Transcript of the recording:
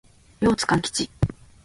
両津勘吉